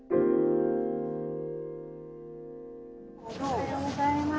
おはようございます。